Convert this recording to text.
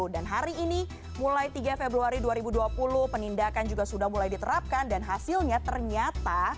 dan hari ini mulai tiga februari dua ribu dua puluh penindakan juga sudah mulai diterapkan dan hasilnya ternyata